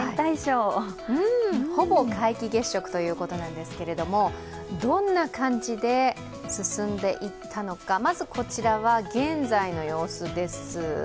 ほぼ皆既月食ということなんですけれども、どんな感じで進んでいったのか、まずこちらは現在の様子です。